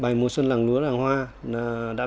yêu hà nội quá